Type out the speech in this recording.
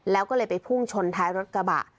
แล้วก็เลยไปพุ่งชนท้ายรถกระบะ